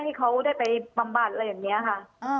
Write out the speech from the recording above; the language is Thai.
ที่เขาได้ไปบำบัดอะไรอย่างนี้ค่ะ